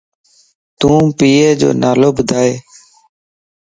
تون پيءَ جو نالو ٻڌائي؟